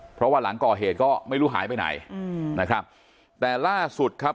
เพราะว่าหลังก่อเหตุก็ไม่รู้หายไปไหนอืมนะครับแต่ล่าสุดครับ